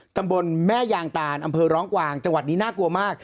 ตำบลแม่ยางตานอำเภอร้องกวางจังหวัดนี้น่ากลัวมาก